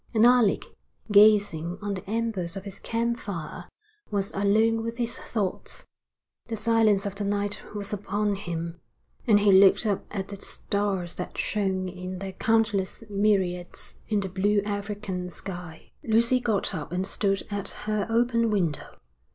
And Alec, gazing on the embers of his camp fire was alone with his thoughts: the silence of the night was upon him, and he looked up at the stars that shone in their countless myriads in the blue African sky. Lucy got up and stood at her open window.